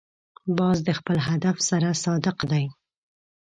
باز د خپل هدف سره صادق دی